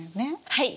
はい。